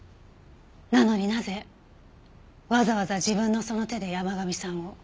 なのになぜわざわざ自分のその手で山神さんを？